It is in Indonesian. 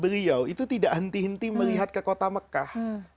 beliau itu tidak henti henti melihat ke kota mekah